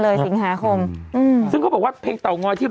แล้วเขาก็